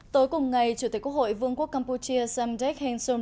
tối cùng ngày chủ tịch quốc hội vương quốc campuchia sam deck